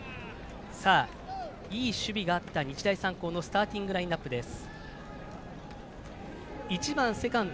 いい守備があった日大三高のスターティングラインアップです。